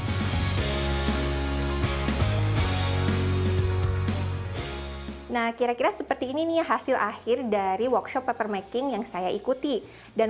hai nah kira kira seperti ini hasil akhir dari workshop papermaking yang saya ikuti dan